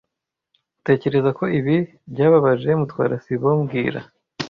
Utekereza ko ibi byababaje Mutwara sibo mbwira